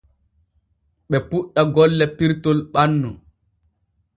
Ɓe puuɗɗa golle pirtol ɓannu.